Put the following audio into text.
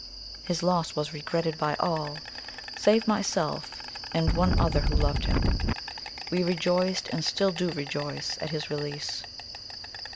His loss was regretted by all, save myself and one other who loved him. We rejoiced, and still do rejoice, at his release."